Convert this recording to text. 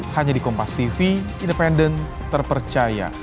hanya di kompas tv independen terpercaya